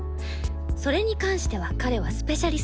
それに関しては彼はスペシャリストだから。